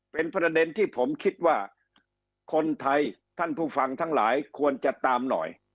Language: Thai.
เป็นประเด็นที่ผมคิดว่าคนไทยท่านผู้ฟังทั้งหลายควรจะตามหน่อย